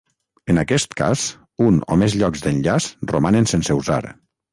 En aquest cas un o més llocs d'enllaç romanen sense usar.